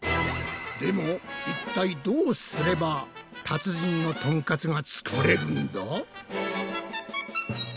でも一体どうすれば達人のトンカツが作れるんだ？